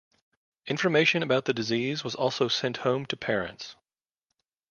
Information about the disease was also sent home to parents.